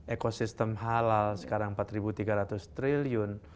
ekosistem halal sekarang empat tiga ratus triliun